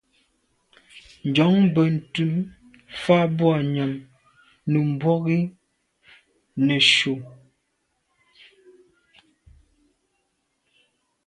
Njon benntùn fa boa nyàm num mbwôg i neshu.